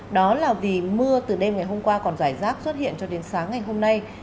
đó là vì mưa từ đêm ngày hôm qua còn giải rác xuất hiện cho đến sáng ngày hôm nay